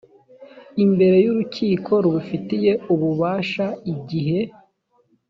imbere y urukiko rubifitiye ububasha igihe